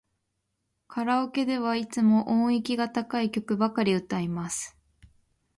カラオケではいつも音域が高い曲ばかり歌います。